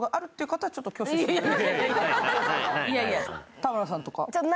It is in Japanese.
田村さんとか？